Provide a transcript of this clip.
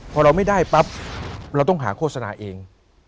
พอเราไม่ได้ปั๊บเราต้องหาโฆษณาเอง